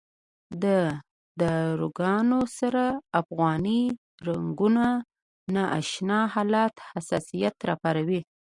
د داروګانو سره د افغاني رګونو نا اشنا حالت حساسیت راپارولی.